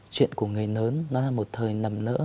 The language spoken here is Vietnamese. chuyện của người lớn nó là một thời nằm nỡ